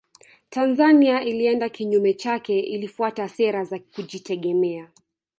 Tanzania ilienda kinyume chake ilifuata sera za kujitegemea